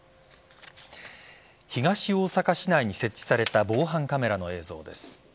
東大阪市内に設置された防犯カメラの映像です。